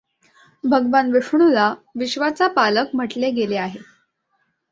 भगवान विष्णूला विश्वाचा पालक म्हटले गेले आहे.